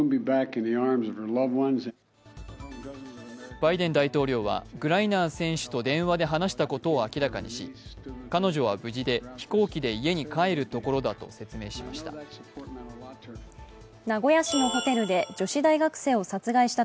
バイデン大統領はグライナー選手と電話で話したことを明らかにし、彼女は無事で、飛行機で家に帰るところだと説明しました。